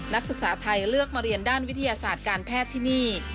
นักศึกษาไทยเลือกมาเรียนด้านวิทยาศาสตร์การแพทย์ที่นี่